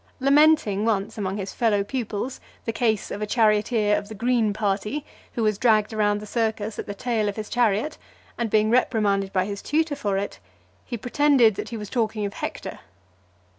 Lamenting once, among his fellow pupils, the case of a charioteer of the green party, who was dragged round the circus at the tail of his chariot, and being reprimanded by his tutor for it, he pretended that he was talking of Hector.